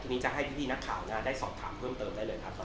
ทีนี้จะให้พี่นักข่าวได้สอบถามเพิ่มเติมได้เลยครับ